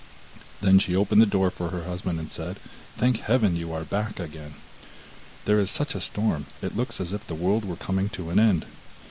Then she opened the door for her husband, and said: 'Thank heaven, you are back again! There is such a storm, it looks as if the world were coming to an end.